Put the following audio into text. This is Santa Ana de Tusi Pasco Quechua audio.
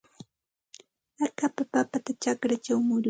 Akapa papata chakrachaw muruy.